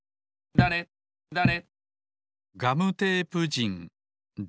だれだれ。